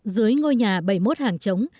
dưới ngôi nhà bảy mươi một hàng chống